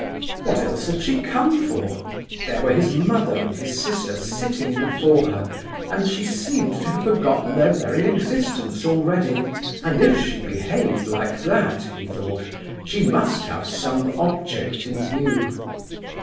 What else had she come for? There were his mother and his sister sitting before her, and she seemed to have forgotten their very existence already; and if she behaved like that, he thought, she must have some object in view.